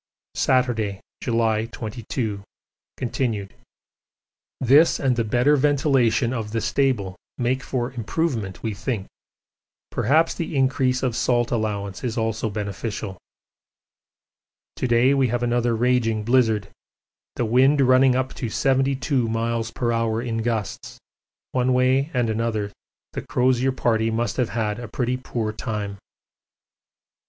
Saturday, July 22, continued. This and the better ventilation of the stable make for improvement we think perhaps the increase of salt allowance is also beneficial. To day we have another raging blizzard the wind running up to 72 m.p.h. in gusts one way and another the Crozier Party must have had a pretty poor time.